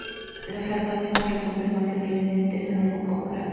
Los arcaísmos resultan más evidentes en el vocabulario.